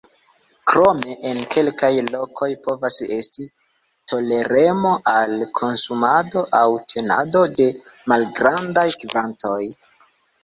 Krome en kelkaj lokoj povas esti toleremo al konsumado aŭ tenado de malgrandaj kvantoj.